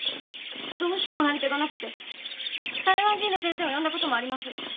どうしてもなり手がなくて台湾人の先生を呼んだこともあります。